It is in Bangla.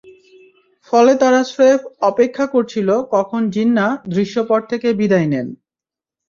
ফলে তারা স্রেফ অপেক্ষা করছিল, কখন জিন্নাহ দৃশ্যপট থেকে বিদায় নেন।